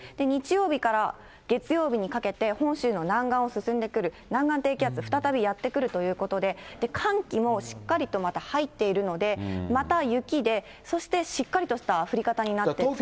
日曜日から月曜日にかけて、本州の南岸を進んでくる、南岸低気圧、再びやって来るということで、寒気もしっかりとまた入っているので、また雪で、そしてしっかりとした降り方になって。